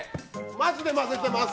マジで混ぜてます。